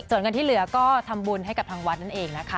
ส่วนเงินที่เหลือก็ทำบุญให้กับทางวัดนั่นเองนะคะ